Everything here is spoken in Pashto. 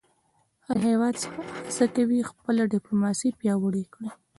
هر هېواد هڅه کوي خپله ډیپلوماسي پیاوړې کړی.